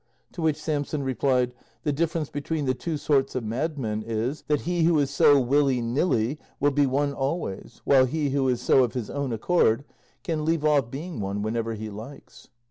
To which Samson replied, "The difference between the two sorts of madmen is, that he who is so will he nil he, will be one always, while he who is so of his own accord can leave off being one whenever he likes."